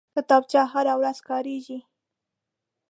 کتابچه هره ورځ کارېږي